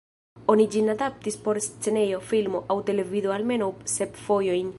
Oni ĝin adaptis por scenejo, filmo, aŭ televido almenaŭ sep fojojn.